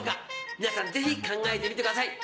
皆さんぜひ考えてみてください。